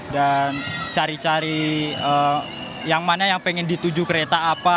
dan cari cari yang mana yang pengen dituju kereta apa